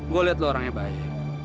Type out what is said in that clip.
gue lihat lo orangnya baik